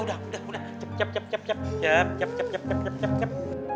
udah udah udah cep cep cep cep